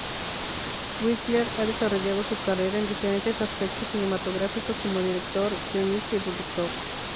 Winkler ha desarrollado su carrera en diferentes aspectos cinematográficos, como director, guionista y productor.